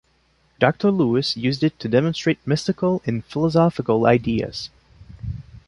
Doctor Lewis used it to demonstrate mystical and philosophical ideas.